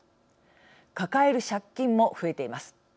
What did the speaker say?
抱える借金も増えています。